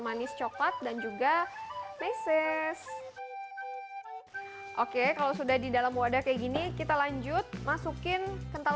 manis coklat dan juga meses oke kalau sudah di dalam wadah kayak gini kita lanjut masukin kental